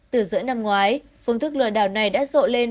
từ giữa năm ngoái phương thức lừa đảo này đã rộ lên